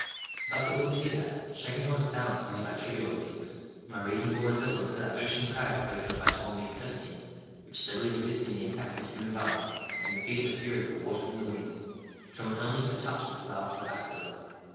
Thus it will appear that, shaken from its balance only by trivial things, my reason bore resemblance to that ocean crag spoken of by Ptolemy Hephestion, which steadily resisting the attacks of human violence, and the fiercer fury of the waters and the winds, trembled only to the touch of the flower called Asphodel.